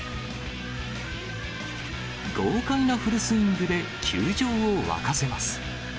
豪快なフルスイングで球場を沸かせます。